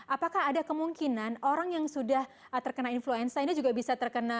apakah ada kemungkinan orang yang sudah terkena influenza ini juga bisa terkena